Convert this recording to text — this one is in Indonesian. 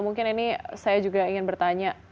mungkin ini saya juga ingin bertanya